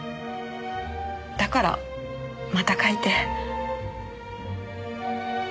だからまた書いて。